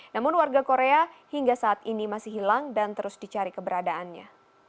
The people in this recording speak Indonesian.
namun warga korea hingga saat ini masih hilang dan terus dicari keberadaannya